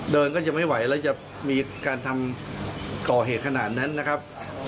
ก็จะไม่ไหวแล้วจะมีการทำก่อเหตุขนาดนั้นนะครับ